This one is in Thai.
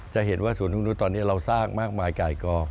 จะเห็นว่าสวนตรงนุษย์ตอนนี้เราสร้างมากมายกายกอ